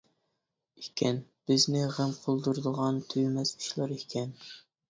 ئىكەن، بىزنى غەم قىلدۇرىدىغان تۈگىمەس ئىشلار ئىكەن!